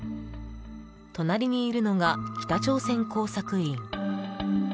隣にいるのが北朝鮮工作員。